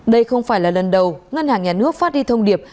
đây không phải là lần đầu ngân hàng nhà nước phát đi thông điệp